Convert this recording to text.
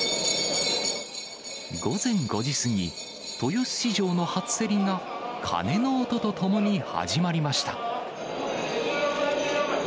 午前５時過ぎ、豊洲市場の初競りが鐘の音とともに始まりました。